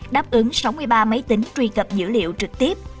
đáp ứng sáu mươi ba máy tính truy cập dữ liệu trực tiếp